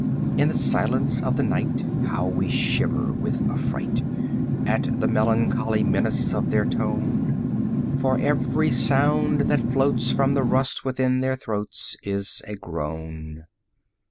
In the silence of the night How we shiver with affright At the melancholy menace of their tone! 75 For every sound that floats From the rust within their throats Is a groan.